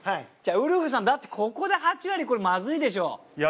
ウルフさんだってここで８割まずいでしょ？